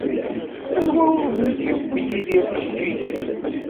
Anwa umi d-yewwi Yidir tijeǧǧigin?